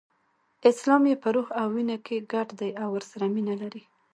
اسلام یې په روح او وینه کې ګډ دی او ورسره مینه لري.